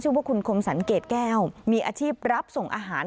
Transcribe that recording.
ว่าคุณคมสรรเกรดแก้วมีอาชีพรับส่งอาหาร